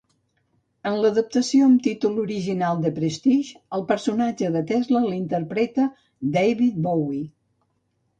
En l'adaptació, amb títol original "The Prestige", el personatge de Tesla l'interpreta David Bowie.